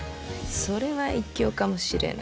それは一興かもしれぬ。